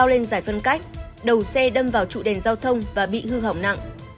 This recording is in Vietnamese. lên giải phân cách đầu xe đâm vào trụ đèn giao thông và bị hư hỏng nặng